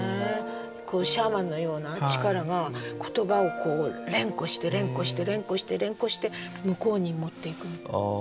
シャーマンのような力が言葉を連呼して連呼して連呼して連呼して向こうに持っていくみたいな。